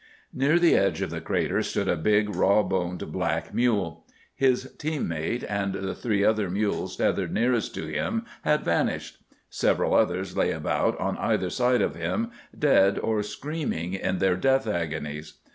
Near the edge of the crater stood a big, raw boned black mule. His team mate and the three other mules tethered nearest to him had vanished. Several others lay about on either side of him, dead or screaming in their death agonies.